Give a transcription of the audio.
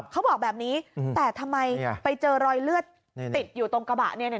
เขาบอกแบบนี้แต่ทำไมไปเจอรอยเลือดติดอยู่ตรงกระบะเนี่ย